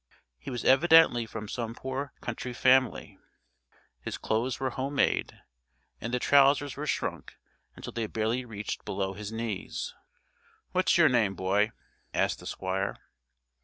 He was evidently from some poor country family. His clothes were home made, and the trousers were shrunk until they barely reached below his knees. "What's your name, boy?" asked the Squire.